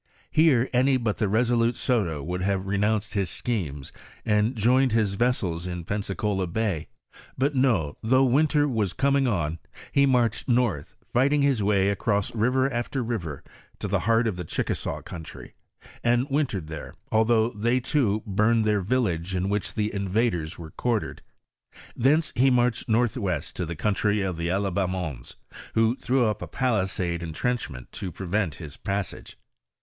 Here any but the resolute Soto would havcTenounced his schemes, and joined his vessels in Pensacola bay ; but no, though winter was coming on, he marched north, fighting his way across river after river to the heart of the Chickasaw country, and win tered there, although they, too, burned their yillage in which the invaders were quartered ; thence he marched northwest to the country of the Alibamons, who threw up a palisade entrenchment to prevent his passage.